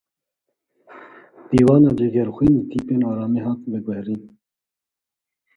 Dîwana Cegerxwîn li tîpên aramî hat veguherîn.